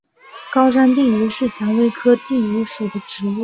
高山地榆是蔷薇科地榆属的植物。